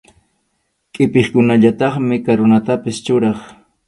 Qʼipiqkunallataqmi karunatapas churaq.